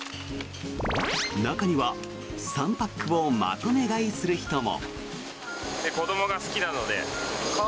中には３パックをまとめ買いする人も。